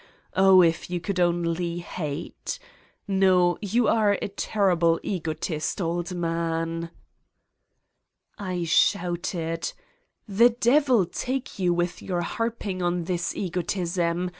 Oh, if you could only hate ! No, you are a ter^Me egotist, old man." 221 Satan's Diary I shouted :'' The devil take you with your harping on this egotism